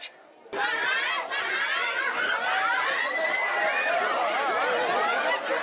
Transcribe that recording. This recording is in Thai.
โดยโดย